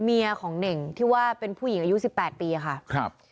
เมียของเน่งที่ว่าเป็นผู้หญิงอายุ๑๘ปีค่ะ